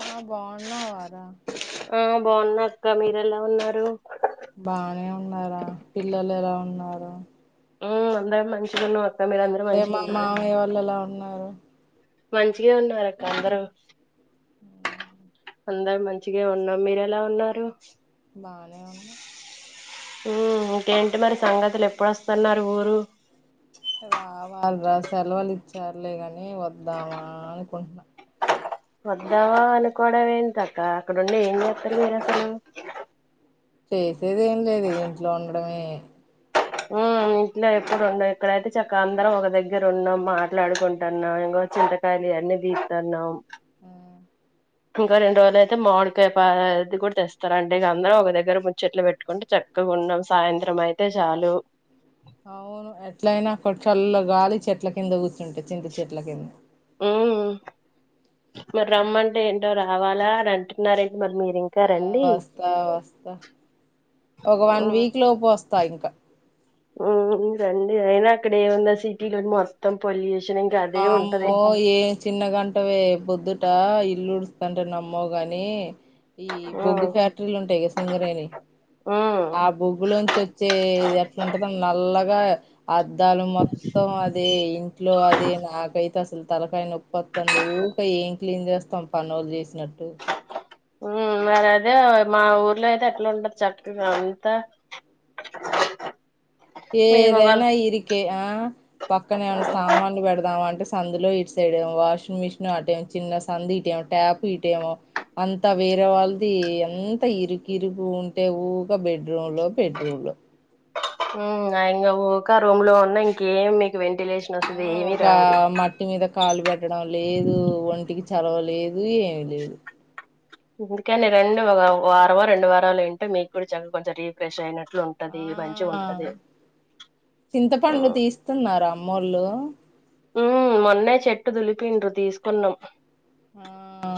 ఆ బాన్నావారా బాన్నా అక్క మీరు ఎలా ఉన్నారు బానే ఉన్నారా పిల్లలు ఎలా ఉన్నారు ఆ అందే మీ అత్తయ మా మామయ్య వాళ్ళులా ఉన్నారు. మంచిగే ఉన్నారు అక్క అందరు ఉ అందరు మంచిగా ఉన్నాం మీరేలా ఉన్నారు. బానే ఉన్నా ఇంకేంటి మరి సంగతులు ఎప్పుడుస్తున్నారు ఊరు వారు రా సెలవులు ఇచ్చారులే కాని వద్దామా అనుకుంటున్నా వొద్దామ్మ అనుకోవడంవేంటి అక్క అక్కడండి ఏం చేస్తారు మీరు అసలు చేసేది ఏం లేదు ఇంట్లో ఉండడమే ఇంట్లో ఎప్పుడు ఉన్నా ఇక్కడైతే చక్క అందరం ఒక దగ్గర ఉన్నా మాట్లాడుకుంటున్నా ఇం చింతకాయాలు ఇవన్ని తితన్నాం ఆ ఇంకా రెండు రోజులు అయితే మాడికాయపాది కూడా తెస్తారుండి ఇక అందరం ఒక దగ్గర ముచ్చట్లు పెట్టుకుంట చక్క గున్న సాయంత్రం అయితే చాలు అవును ఎట్లయినా అక్కడ చల్ల గాలి చెట్ల కింద కూర్చుంటే చింత చెట్ల కింద ఉమ్ మరి రమ్మంటే ఏంటో రావాలా అని అంటున్నారే ఆ వస్తా వస్తా ఒక వన్ ఉమ్ వీక్ లోపు వస్ స్తా ఇంకా ఉమ్ రండి ఏనా అక్కడ ఉంద సిటీలో మొత్తం పొల్యూషన్ ఇంకా మా అదే ఉంటది అమ్మో ఏ చిన్న గంటవే బొద్దుట ఇల్డ్ అంటున్న నమ్మోగాని ఈ ఉమ్ బొగ్గు ఫ్యాక్టరీలు ఉంటాయి కద సింగరేణి ఉమ్ ఆ బోగ్గులో నుంచి వచ్చేది ఎట్లాంటదో నల్లగా అద్దాలు మొత్తం అదే ఇంట్లో అది నాకైతే అసలు తలకాయ నొప్పొస్తుంది ఊకా ఏం క్లీన్ చేస్తాం పనుళ్లుు చేసినట్టు ఉమ్ మరి అదే మా ఊర్లో అయితే ఎట్లా ఉంటది చక్కగా అంత ఒక ఏదైనా ఇరికే ఆ పక్కనే ఏమైనా సామాన్లు పెడదామ అంటే సందులో ఇటు సైడ్ వాషింగ్ మిషన్ ఆటే చిన్న సందు ఇటేము ట్యాప్ ఇటే అంత వే వేర వాళ్ళది ఎంత ఇరుకి ఇరుగు ఉంటే ఊగా బెడ్రూమ్ లో బెడ్రూమ్ లో ఊకా రూమ్ లో ఉన్న ఇంకేం మీకు వెంటి ఆ ఒక మట్టి మీద కాలు పెట్టడం లేదు ఒంటికి చలవలేదు ఏమి లేదు ఎందుకని రెండు ఒక వారమ రెండు వారాలు వింటే మీకు కూడా చ కొంచెం రీఫ్రెష్ అయినట్ ఆ ఉంటది మంచిగా ఉంటది. ఉమ్ చింతపండు తీస్తున్నార అమ్మూళ్ళు. ఉమ్ మొన్నే చెట్టు దులిపిండు తీసుకున్నాం. ఆ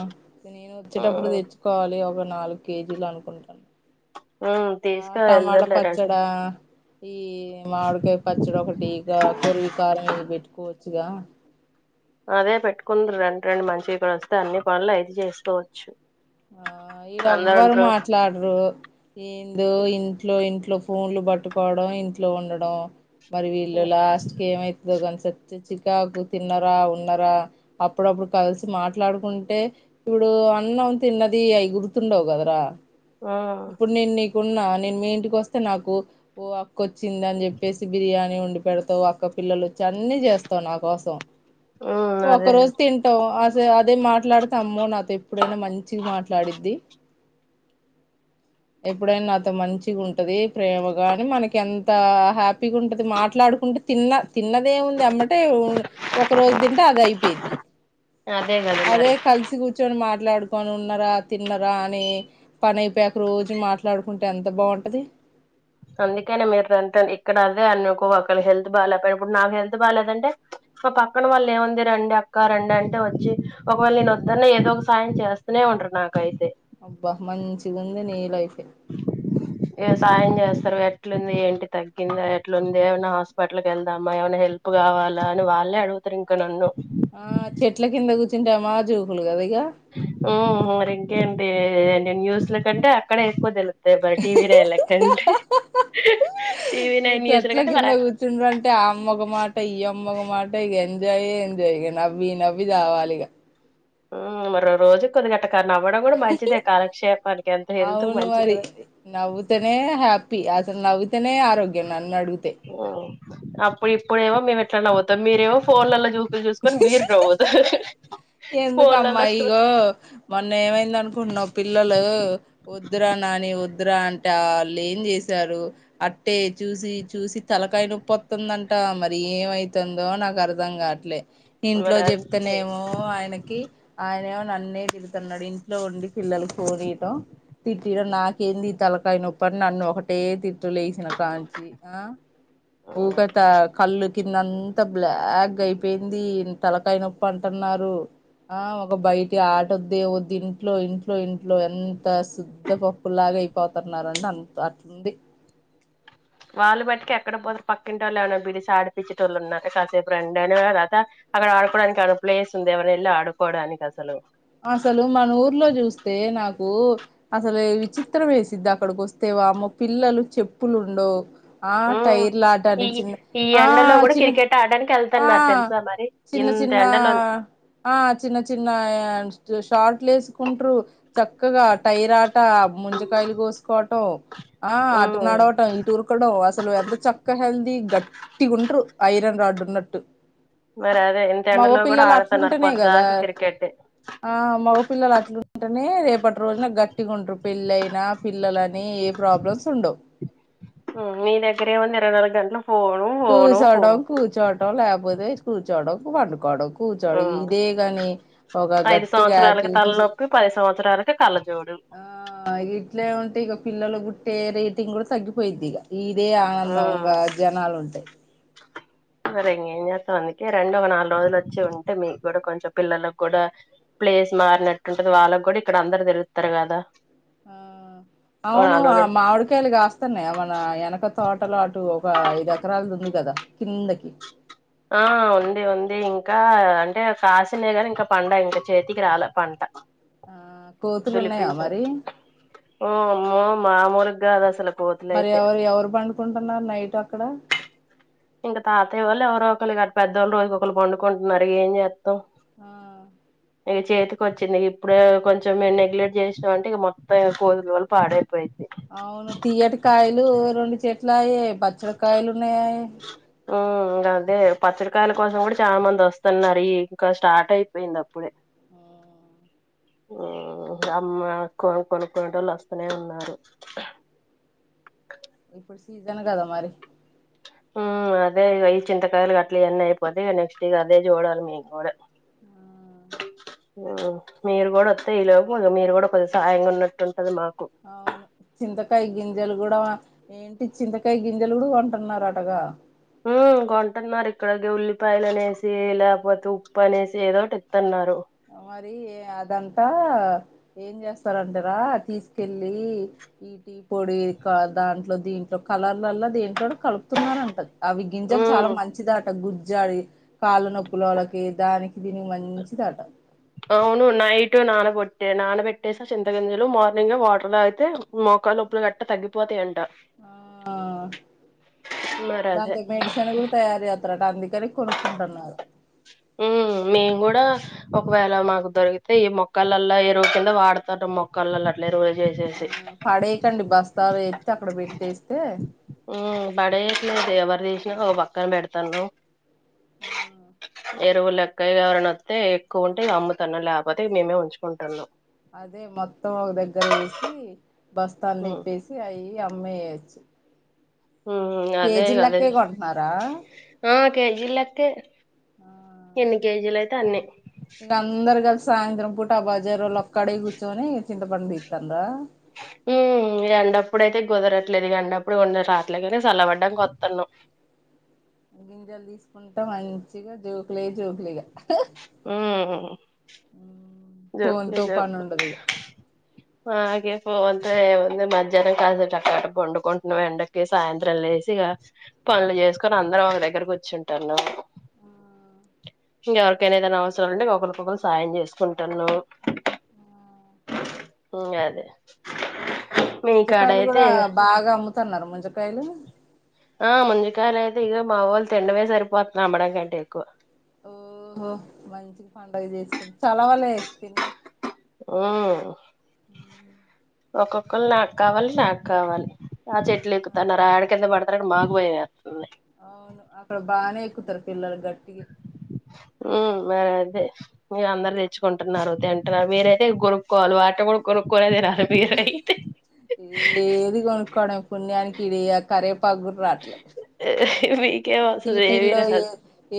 నేను వచ్చేటప్పుడు ఉమ్ తెచ్చుకోవాలి ఒక నాలుగు కేజీలు అనుకుంటాను. ఆ ఆ టమాట పచ్చడా ఈ మాడుకాయ పచ్చడొ ఒకటిటీకా కుర్వ కార్మ బట్ కోచ్గా అదే పెట్టుకుందురూ రెండు రెండు మంచివి కూడా వస్తే అన్ని పనులు అయితే చేసుకోవచ్చు. ఆ ఇడ అందరు ఎవ్వరు ఉంట్రు మాట్లాడరు ఏందో ఇంట్లో ఇంట్లో ఇంట్లో ఫోన్లు పట్టుకోవడం ఇంట్లో ఉండడం మరి వీళ్ళు ఉమ్ లాస్ట్ క ఏమైతుందో కనిస చికాకు తిన్నరా ఉన్నరా అప్పుడప్పుడు కలిసి మాట్లాడుకుంటే ఇప్పుడు అన్నము తిన్నది అయి గుర్తుండవు కదరా ఆ ఉన్నా నేను మీ ఇంటికి వస్తే నాకు ఓ అక్క వచ్చింది అని చెప్పేసి బిర్యానీ వండి పెడతావు అక్క పిల్లలు వచ్చ జర్ని చేస్తావు నా కోసం ఉమ్ ఒక అదే రోజు తింటావు అస అదే మాట్లాడు తమ్మో నాతో ఎప్పుడైనా మంచిగ్ మాట్లా ఆడిద్ది ఎప్పుడైనా నాతో మంచిగా ఉంటది ప్రేమ గాని మనకి ఎంత హ్యాపీగుఉంటది మాట్లాడుకు కుంటే తిన్న తిన్నదేముంది అమ్మటే ఒక రోజు తింటే అది అయిపోయిద్ది అదే కదా అదే మరి కలిసి కూర్చొని మాట్లాడు పను ఉన్నరా తిన్నరా అని పని అయిపోయాక రోజు మాట్లాడుకుంటే ఎంత బావుంటది అందుకని మీరుంట ఇక్కడ అదే అనుకోక్కళ హెల్త్ బాగాలేకపోయి ఇప్పుడు నాకు హెల్త్ బాగాలేదంటే సో పక్కన వాళ్ళే ఏముంది రండి అక్క రండి అంటే వచ్చి ఒకవేళ నేను వద్ద్ అన్న ఏదో ఒక సాయం చేస్తనే ఉం తండ్రు నాక్ అయితే అబ్బా మంచిది ఉంది నీ లైఫ్ ఏ సాయం చేస్తారు [inaudible] ఎట్లు ఉంది ఏంటి తగ్గిందా ఎట్లుంది ఏమైనా హాస్పిటల్ క వెళ్దామా ఏమైనా హెల్ప్ కావాలా అని వాళ్ళే అడుగు తరిం ఇంకా నన్ను ఆ చెట్ల కింద కూర్చుంటే మా జూవుకులు కదా న మ్ మ్ ఉ మరి ఇంకేంటి న్యూస్ల కంటే అక్కడే అయిపో తెలు దే బర్టీవి రేల్లఖండ్ మీ చెట్ల కింద మరి కూర్చుండు అంటే ఆ అమ్మక మాట ఈ అమ్మక మాట ఇ ఎంజాయే ఎజాయ్ ఇక నవ్వి నవ్వి చావాలిగా ఉమ్ మరో రోజు కొద్ది గట్ట కానీ నవ్వడం కూడా మంచిదే కాలక్షేపానికి ఎంత హెల్త్ అవును మంచిదో ప్పి అసలు నవ్వితేనే ఆరోగ్యం నన్ను అడుగుతే ఉమ్ అప్పుడు ఇప్పుడేవో మేము ఎట్లా నవ్వుతాం మీరేవో ఫోన్లో లో చూ చూసుకొని మీరు నవ్వుతారు ఎందుకమ్మా ఫోన్లలో స్క్రూ ఇగో మొన్న ఏమైంది అనుకుంటున్నావు పిల్లలు వద్దురా నని వద్దు ద్రా ఆ అంటే వాళ్ళే ఏమ్ చేశారు అట్టే చూసి చూసి తలకాయ్ నొప్పోవతుంద అంట్ టా మరి ఏమైతుందో నాకు అర్ధం గాట్లే ఇంట్లో మరి అంతే చెప్తేనేమో కీ ఆయన నన్నే తిడుత అన్నాడు ఇంట్లో ఉండి పిల్లలు కోనీయటమ్ తిట్ ఇడ నాకేంది తలకాయ్ నొప్పు అని నన్ను ఒకటే తూ లేసిన కాంచిి ఆ ఉమ్ ఊగాతా కళ్ళు కింద అంత బ్లాగ్ గ్ అయిపోయింది తలకాయ్ నొప్పు అంటున్నారు ఆ ఒక బయటి ఆటొద్ది వద్దు ఇంట్లో ఇంట్లో ఇంట్లో ఎంత శుద్ధ పప్పులాగా అయిపోతున్నార్ అంట అంత అద్ది వాళ్ళు బట్టిక ఎక్కడ పోతే పక్కి ఇంట్లో వాళ్ళు ఏ వరైనా పిలీసీ ఆడిపిచ్చేటోళ్ళు ఉన్నారు కాసేపు రాండి అయినా తత అక్కడ ఆడుక్కొవడానికి ఆ ప్లేస్ ఉంది ఎవరో ఎళ్ళి ఆడుక్కోవడానికి అసలు అసలు మన ఊర్లో చూస్ వస్తే నాకు అసలు విచిత్రం వేసిద్ది అక్కడికోస్తే వామ్మో పిల్లలు చెప్పులు ఉండవు ఆ ఉమ్ టైర్ ఈ లాడానికి చిన్న ఈ ఆ ఎండలో కూడా చిన్న క్రికెట్ ఆడడానికి ఆ వెళ్తున్నారు తెలుసా మరి చిన్న చిన్న ఇంత చిన్న ఎండలోనే ఆ చిన్న చిన్న యో షార్ట్లు వేసుకుంట్రూ చక్కగా టైరాట్ అట్టా ముంజకాయ్ లు కోసుకోవటం ఆ అటు ఉమ్ నడవటం ఇటు ఉరకడం అసలు ఎంత చక్క హెల్దీ గట్టిగుండ్రు ఐరన్ రాడ్డు ఉన్నట్టు మరి అదే మగ ఇంతెండలో కూడా పిల్లలు ఆడుతున్నారు అట్లుంటేనే కదా పొద్దాక క్రికెట్ ఆ మగ పిల్లలు అట్లుంటేనే రేపటి రోజున గట్టిగా ఉంట్రు పెళ్ళ అయినా పిల్లల మే ఏ ప్రోబ్లమ్స్ ఉండవు మీ దగ్గరేముంది ఇరవై నాలుగు గంటలు ఫోను ఫోను కూర్చోడం ఫోన్ కూర్చోడం లేకపోతే కూర్చోడం వండుకోవడం కూర్చోడం ఉమ్ ఇదే గాని ఒక ఐదు గట్టిగా యాటి సంవత్సరాలకి తలనొప్పి పది సంవత్సరాలకి కళ్ళజోడు ఆ ఇట్లే ఉంటే ఇక పిల్లలు పుట్టే రేటింగ్ కూడా తగ్గిపోయిద్ది ఇక ఇదే ఆనందం ఉమ్ ఇంకా జనాలు ఉంటాయి మరి ఇంకేం చేస్తాం అందుకే రెండు ఒక నాలుగు రోజులు వచ్చి ఉంటే మీకు కూడా కొంచెం పిల్లలకు కూడా ప్లేస్ మారినట్టుంటది వాళ్ళకి కూడా ఇక్కడ అందరు తెరుత్తారు కదా ఆ ఓ అవును నాలుగు రోజులు మామిడికాయలు కాస్తన్నాయి మన వెనకొ తోటలాటు ఒక ఐదు ఎకరాలు ఉంది కదా కిందకి ఆ ఉంది ఉంది ఇంకా అంటే కాసిన కానీ ఇంకా పంట ఇంకా చేతికి రాలే పంట ఆ కోతులు ఉన్నాయా దులిపించ మరి ఓ అమ్మో మామూలుగా కాదు అసల మరి ఎవరు ఎవరు పండుకుంటున్నారు నైట్ అక్కడ ఇంకా తాతయ్య వాళ్ళు ఎవరో ఒకళ్ళు గని పెద్దవాళ్ళు రోజు ఒకరు పండుకుంటు ఉన్నారు ఏం చేస్తాం ఆ ఇక చేతికి వచ్చింది ఇప్పుడే కొంచెం మేము నెగ్లెట్ చేసినం అంటే ఇక మొత్తం కోతుల వల్ల పాడైప్ అవును తీయట కాయలు రెండు చెట్లు ఆయె ఉ గదే పచ్చడికాయల కోసం కూడా చాలా మంది వస్తున్నారు ఈ ఇంకా స్టార్ట్ అయిపోయింది అప్పుడే ఆ అమ్మ అక్కొ కొనుక్కనే వాళ్ళు వస్తూనే ఉన్నారు ఇప్పుడు సీజను కద మరి హ్మ్ అదే ఈ చింతకాయలు అట్లా ఇయన్ని అయిపోత నెక్స్ట్ ఇక అదే చూడాలి మేము కూడా ఉ మీరు కూడా వత్తే ఈ లోపు మీరు కూడా కొద్ది సాయంగా ఉన్నట్టుంటది మాకు అవును చింతకాయ గింజలు కూడా ఏంటి చింతకాయ గింజెలుగుడా కొంటున్నారు అటగా హ్మ్ కొంటున్నారు ఇక్కడికి ఉల్లిపాయలు అనేసి లేకపోతే ఉప్పు అనేసి ఏదోటి ఇత్తన్నారు మరి అదంతా ఏం చేస్తారంటారా తీసుకెళ్ళి ఈటీ పొడి దాంట్లో దీంట్లో కలర్లల్ల దీంట్లో కలుపుతున్నారంట అవి గింజలు ఉమ్ చాలా మంచిదట గుజ్జాల కాళ్ళు నొప్పుల వాళ్ళకి దానికి దీనికి మంచిదట అవును నైట్ నానగొట్టే నానబెట్టేసా చింత గంజలు మార్నింగ్ వాటర్ తాగితే మోకాలనొప్పులు గట్ట తగ్గితాయంట ఆ మరి అదే దాంతో మెడిసిన్ కూడా తయారు చే స్తరట అందుకని కొనుక్కుంటున్నారు ఉ మేము కూడా ఒకవేళ మాకు దొరికితే ఈ మొక్కలలో ఎరువు కింద వాడతారు మొక్కలల్ల అట్ల ఎరువు ఆ పడేకండి బస్తా వేస్తే అక్కడ పెట్టేస్తే పడేట్లేదు ఎవరు తీసినా ఒక పక్కన పెడతుండ్రు ఆ ఎరువు లెక్కయి ఎవరైన వస్తే ఎక్కువ ఉంటే అమ్ముతాన్నా లేకపోతే మేమే ఉంచుకుంటున్నాం అదే మొత్తం ఒక దగ్గర వేసి బస్తాన్ని ఉమ్ నిప్పేసి అయి అమ్మేయ్యొచ్చు అదే గదే లెక్కే కొంటున్నారా ఆ కె కేజీలెక్కె ఎన్ని కేజీలు అయితే అన్నె ఇ అందరు కలిసి సాయంత్రం పూట ఆ బజార వాళ్ళు ఒక్కడే కూర్చొని చింత పండు తీత్తాండ్ర ఉమ్ ఎండప్పుడు అయితే కుదరట్లేదుక ఎండప్పుడు ఎవరు రాట్లే కానే చల్లబడ్డాక వత్తున్నాం గింజలు తీసుకుంటే మంచిగా జోకులే జోకులిగా హ్మ్ ఫోన్ జోకులే తో పని జోకు ఉండదు ఇగ గే పో అంత వ మధ్యాహ్నం కాస చక్కట బండుకుంటున్నావ్ ఎండకి సాయంత్రం లేేసి గ పనులు చేసుకొని అందరం ఒక దగ్గర కుచ్చుంటాన్నం ఇంకెవరికయినా ఏదైనా అవసరాలు ఉంటే ఒకరికొకరు సాయం చేసుకుంట రు ఉమ్ అదే మీ ముంతకాయలు కాడయితే కూడా బాగా అమ్ముతున్నారు ము ఆ ముంజుకాయలు గ మా వొళ్ళు తినడమే సరిపోతుంది అమ్మడం కంటే ఎక్కువ ఓహో మంచి పండగ చేసుకుంట చలవలే పిన్ని ఉమ్ ఒక్కొక్కళ్ళు నాకు కావాలి నాకు కావాలి ఆ చెట్లు ఎక్కుతాన్నార యాడ కింద పడతారని మాకు భయమెత్తుంది అవును అక్కడ బాగానే ఎక్కుతారు పిల్లలు గట్టిగా ఉమ్ మేరే మీరు అందరు తెచ్చుకుంటున్నారు తింటున్నారు మీరైతే కొనుక్కోవాలి వాటిని కూడా కొనుక్కోలేదిరా ఏది కొనుక్కోవడం పుణ్యానికి ఇది కరివేపాకు కూడా రాట్లే మీకేం అసలు ఏమి ఈటిల్లో రాదు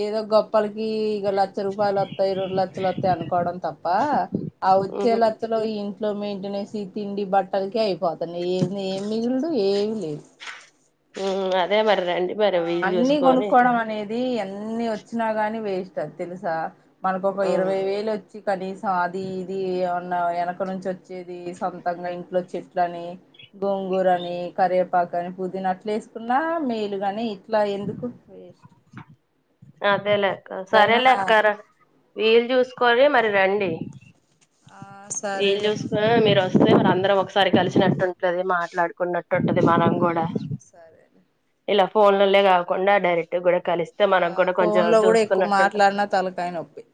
ఏదో గొప్పలకి ఇక లక్ష రూపాయలు వత్తాయి రెండు లక్షలు వత్తాయి అనుకోవడం తప్ప ఆ వచ్చే ఉహు లచ్చలో ఇంట్లో మే యింటెనెన్స్ తిండి బట్టలకి అయిపోతున్నాయి ఏంది ఏం మిగులుడు ఏమి లేదు ఉమ్ అదే [unintelligible] ఆ వీలు అన్ని చూసుకొని కొనుక్కోవడం అనేది ఎన్ని వచ్చినా గాని వేస్ట్ తెలుసా మనకు ఒక ఉమ్ ఇరవై వేలు వచ్చి కనీసం అది ఇది ఏమ్ మన్నా వెనక నుంచి వచ్చేది సొంతంగా ఇంట్లో చెట్ల అని గోంగూరని కరేపా కనే పుదీనా అట్లే వేసుకున్నా మేలుగాని ఇట్లా ఎందుకు వేస్ట్ అదేలేెక్క ఎట్లయినా సరేలేక్క రండి వీలు చూసుకోనీ మరి రండి ఆ వీలు సరేలే చూసుకున్న మీరు వ స్తే మరి అందరం ఒకసారి కలిసినట్టుంటది మాట్లాడుకున్నట్టు ఉంటది మనం ఆ కూడా సరేలే ఇలా ఫోన్లోనే కాకుండా డైరెక్ట్ కూడా కలిస్తే ఆ మనకు కూడా కొంచెం ఫోన్ లో కూడా ఎక్కువ చూసుకున్నట్టుంటంది మాట్లాడినా తలకాయ నొప్పి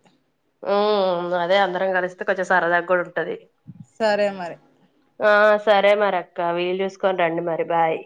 ఉమ్ ఉమ్ అదే అందరం కలిస్తే కొంచెం సరదాగా కూడా ఉంటది సరే మరి ఆ సరే మరి అక్క వీలు చూసుకొని రండి మరి బాయ్